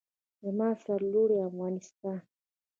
زما سرلوړی افغانستان.